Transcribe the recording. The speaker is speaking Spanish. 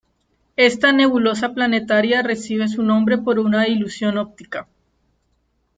Esta nebulosa planetaria recibe su nombre por una ilusión óptica.